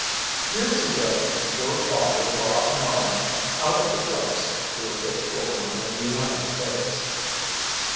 "Years ago your father robbed mine out of the rights to a rich gold mine in the United States."